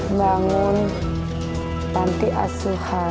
membangun panti asuhan